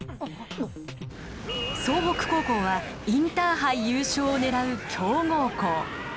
総北高校はインターハイ優勝を狙う強豪校。